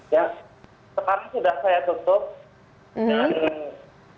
ya sekarang sudah saya tutup